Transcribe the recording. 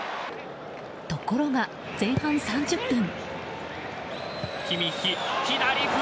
ところが前半３０分。